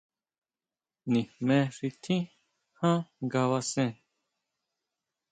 Nijme xi tjín jan ngabasen.